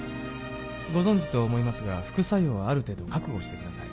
ご存じとは思いますが副作用はある程度覚悟してください。